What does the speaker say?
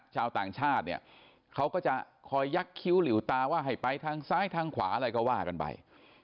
ชาวต่างชาติเนี่ยเขาก็จะคอยยักษ์คิ้วหลิวตาว่าให้ไปทางซ้ายทางขวาอะไรก็ว่ากันไป